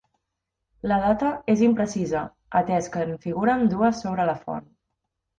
La data és imprecisa atès que en figuren dues sobre la font.